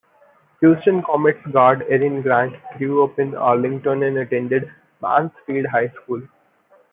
Houston Comets Guard Erin Grant grew up in Arlington and attended Mansfield high school.